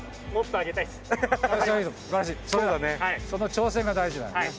その挑戦が大事だよね。